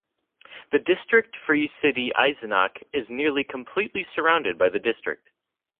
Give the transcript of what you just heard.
The district-free city Eisenach is nearly completely surrounded by the district.